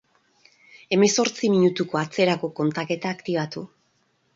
Hemezortzi minutuko atzerako kontaketa aktibatu.